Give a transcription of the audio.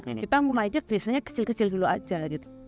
kita mau naiknya biasanya kecil kecil dulu aja gitu